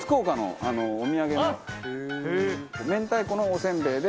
明太子のおせんべいで。